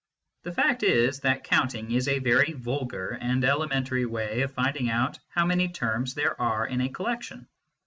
The fact is that counting is a very vulgar and elementary way of finding out how many terms there are in a collection.